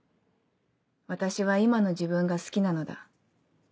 私は今の自分が好きなのだ。